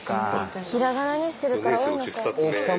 ひらがなにしてるから多いのか。